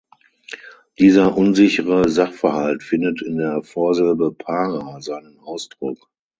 Dieser unsichere Sachverhalt findet in der Vorsilbe "Para" seinen Ausdruck.